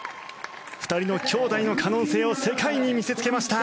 ２人の姉弟の可能性を世界に見せつけました。